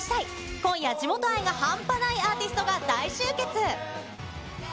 今夜、地元愛が半端ないアーティストが大集結。